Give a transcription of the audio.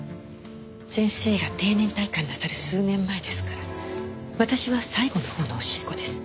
先生が定年退官なさる数年前ですから私は最後のほうの教え子です。